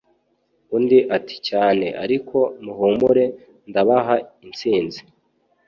Undi ati"cyane ariko muhumure ndabaha insinzi